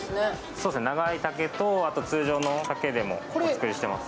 そうですね、長い丈と、通常の丈でもお作りしています。